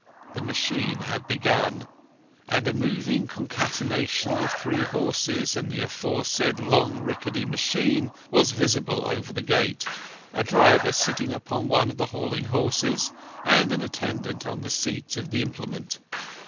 The machine had begun, and a moving concatenation of three horses and the aforesaid long rickety machine was visible over the gate, a driver sitting upon one of the hauling horses, and an attendant on the seat of the implement.